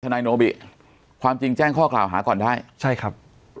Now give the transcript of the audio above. นายโนบิความจริงแจ้งข้อกล่าวหาก่อนได้ใช่ครับ